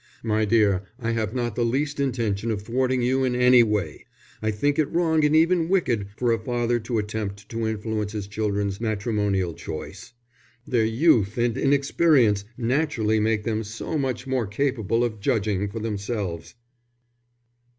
"My dear, I have not the least intention of thwarting you in any way. I think it wrong and even wicked for a father to attempt to influence his children's matrimonial choice. Their youth and inexperience naturally make them so much more capable of judging for themselves."